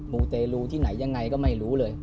มูเตรลูที่ไหนยังไงก็ไม่รู้เลย